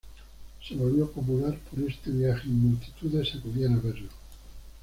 Se volvió popular por este viaje y multitudes acudían a verlo.